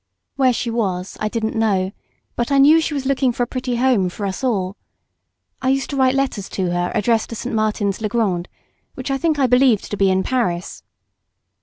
Where she was I didn't know; but I knew she was looking for a pretty home for us all. I used to write letters to her addressed to St. Martin's le Grand, which I think I believed to be in Paris.